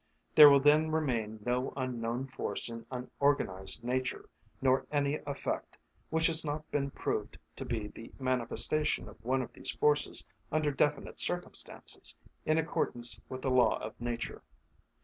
There will then remain no unknown force in unorganised nature, nor any effect, which has not been proved to be the manifestation of one of these forces under definite circumstances, in accordance with a law of nature.